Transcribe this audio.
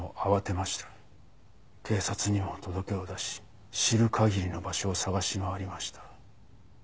警察にも届けを出し知る限りの場所を捜し回りました。